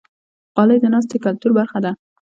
غالۍ د ناستې کلتور برخه ده.